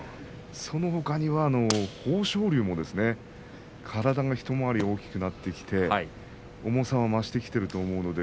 そのほかには、豊昇龍も体が一回り大きくなってきて重さを増してきています。